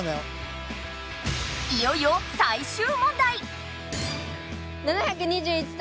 いよいよ最終問題！